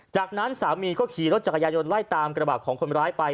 จากนั้นสามีก็ขี่รถจักรยายนไล่ตามกระบะของคนร้ายไป